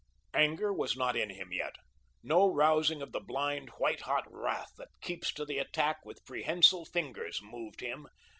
Anger was not in him yet; no rousing of the blind, white hot wrath that leaps to the attack with prehensile fingers, moved him.